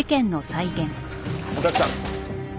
お客さん。